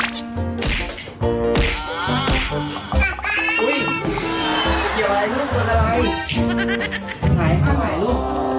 ฉันมีหลักฐานที่เธอเล่นละคร